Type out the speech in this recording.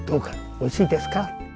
おいしいですか？